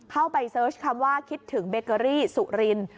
เข้าไปเสิร์ชคำว่าคิดถึงเบเกอรี่สุรินทร์